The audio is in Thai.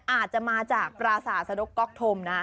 อาจจะมาจากปราศาสนกก๊อกธมนะ